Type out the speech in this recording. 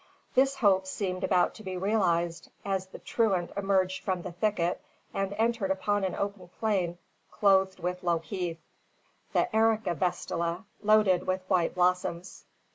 This hope seemed about to be realised, as the truant emerged from the thicket and entered upon an open plain clothed with low heath, the Erica vestila, loaded with white blossoms.